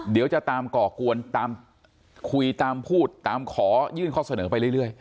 เดี๋ยวจะตามก่อกวนตามคุยตามพูดตามขอยื่นข้อเสนอไปเรื่อย